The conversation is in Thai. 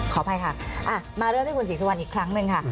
ขออภัยค่ะมาเริ่มที่คุณศรีสุวรรณอีกครั้งหนึ่งค่ะ